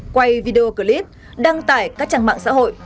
quay video clip đăng tải các trang mạng xã hội